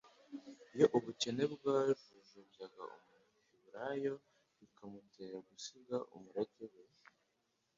Iyo ubukene bwajujubyaga umuheburayo bikamutera gusiga umurage we